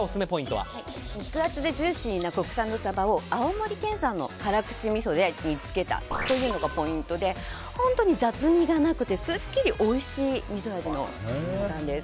肉厚でジューシーな国産のサバを、青森県産の辛口みそで煮付けたというのがポイントで、本当に雑味がなくてすっきりおいしいみそ味のサバ缶です。